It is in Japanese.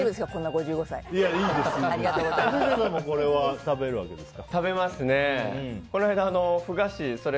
いつもこれ食べるわけですか？